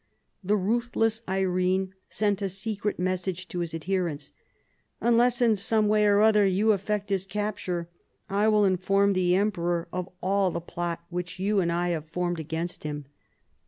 The ruthless Irene sent a secret message to his adherents, " Unless in some way or other you effect his capture I will inform the em peror of all the plot which you and I have formed RELATIONS WITH THE EAST. 237 against him."